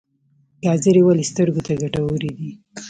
ګازرې ولې سترګو ته ګټورې دي؟